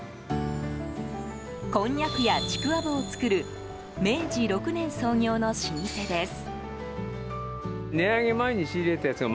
こんにゃくや、ちくわぶを作る明治６年創業の老舗です。